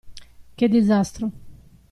Che disastro.